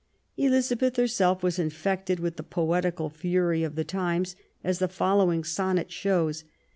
Elizabeth herself was infected with the poetical fury of the times, as the following sonnet shows.